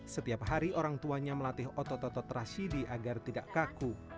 setiap hari orang tuanya melatih otot otot rashidi agar tidak kaku